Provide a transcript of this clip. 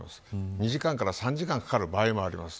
２時間から３時間かかる場合もあります。